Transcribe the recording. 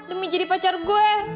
demi jadi pacar gue